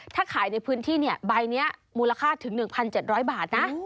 ถ้าขายในพื้นที่ใบนี้มูลค่าถึง๑๗๐๐บาทนะ